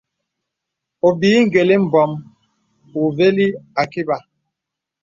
Obìì gə̀lì mbɔ̄m uvəlì àkibà.